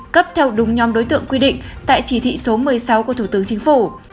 cấp theo đúng nhóm đối tượng quy định tại chỉ thị số một mươi sáu của thủ tướng chính phủ